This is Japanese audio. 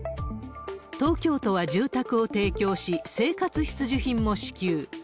東京都は住宅を提供し、生活必需品も支給。